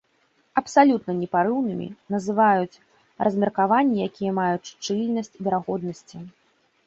Абсалютна непарыўнымі называюць размеркаванні, якія маюць шчыльнасць верагоднасці.